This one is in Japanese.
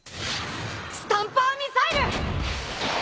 スタンパーミサイル！